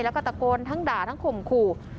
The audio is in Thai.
แล้วก็ตะโกนทั้งด่าทั้งข่มขู่